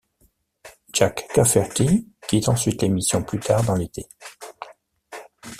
Jack Cafferty quitte ensuite l'émission plus tard dans l'été.